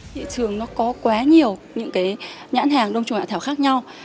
thị trường có quá nhiều những nhãn hàng đông trùng hạ thảo khác nhau